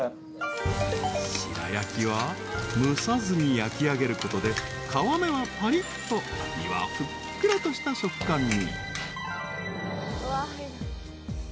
［白焼は蒸さずに焼きあげることで皮目はぱりっと身はふっくらとした食感に］